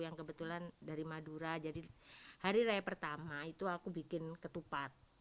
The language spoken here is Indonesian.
yang kebetulan dari madura jadi hari raya pertama itu aku bikin ketupat